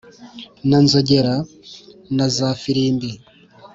na nzogera na za firimbi